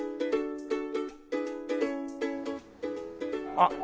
あっ。